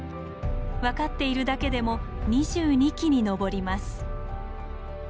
分かっているだけでも２２基に上ります。